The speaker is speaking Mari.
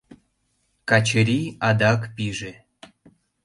Качыри адак пиже: